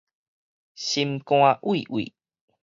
心肝畏畏